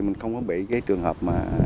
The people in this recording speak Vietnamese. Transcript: mình không có bị cái trường hợp mà